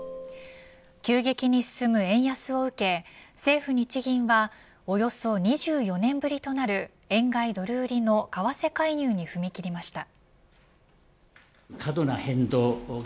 急激に進む円安を受け政府日銀はおよそ２４年ぶりとなる円買いドル売りの為替介入に踏み切りました。